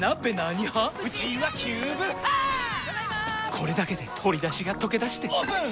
これだけで鶏だしがとけだしてオープン！